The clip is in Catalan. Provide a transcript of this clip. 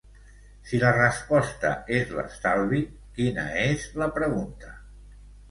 Si la resposta és l'estalvi, quina és la pregunta?